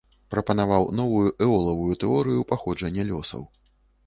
Прапанаваў новую эолавую тэорыю паходжання лёсаў.